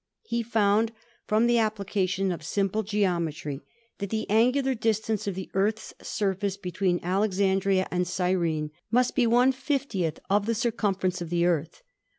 He found from the application of simple geometry that the angular distance of the Earth's surface between Alexandria and Syene must be l / B0 of the circum ference of the Earth.